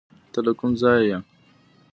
ته له کوم ځایه یې؟